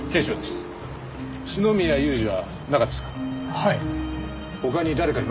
はい。